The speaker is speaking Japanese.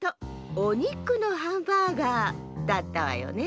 おにくのハンバーガーだったわよね。